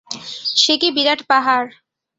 সে কি বিরাট পাহাড়!